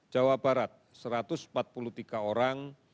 jawa barat satu ratus empat puluh tiga orang